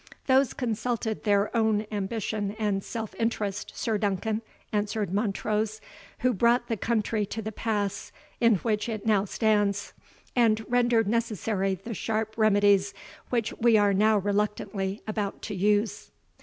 "Those consulted their own ambition and self interest, Sir Duncan," answered Montrose, "who brought the country to the pass in which it now stands, and rendered necessary the sharp remedies which we are now reluctantly about to use."